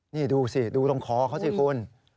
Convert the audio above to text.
นี่ดูสิดูตรงคอเขาสิคุณ